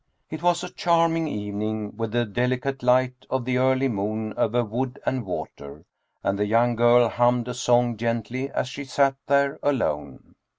It was a charming evening, with the delicate light of the early moon over wood and water, and the young girl hummed a song gently as she sat there alone.